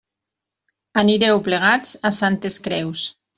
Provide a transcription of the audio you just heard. Anireu plegats a Santes Creus.